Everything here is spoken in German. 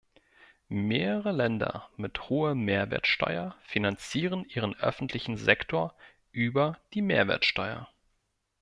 Mehrere Länder mit hoher Mehrwertsteuer finanzieren ihren öffentlichen Sektor über die Mehrwertsteuer.